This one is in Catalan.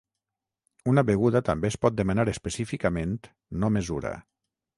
Una beguda també es pot demanar específicament "no mesura".